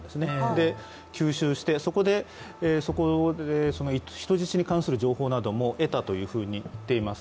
で吸収をして、そこで人質に関する情報なども得たというふうに言っています。